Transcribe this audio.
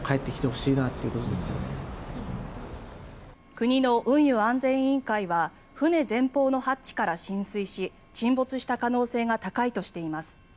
国の運輸安全委員会は船前方のハッチから浸水し沈没した可能性が高いとしています。